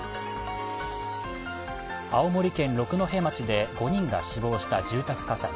青森県六戸町で５人が死亡した住宅火災。